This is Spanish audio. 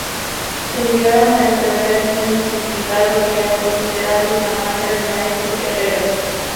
Se llegaron a desarrollar diseños intrincados, que eran considerados la marca del maestro herrero.